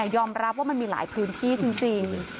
ยอมรับว่ามันมีหลายพื้นที่จริง